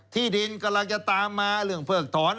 ที่ดินกำลังจะตามมาเรื่องเพิกถอน